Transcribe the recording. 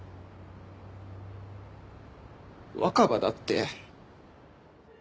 若葉だって。